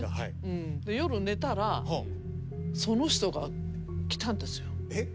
夜寝たらその人が来たんですよ。